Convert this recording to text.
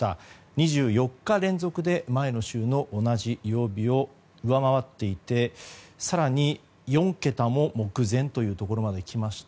２４日連続で前の週の同じ曜日を上回っていて更に４桁も目前というところまで来ました。